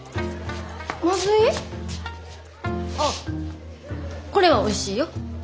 あっこれはおいしいよ。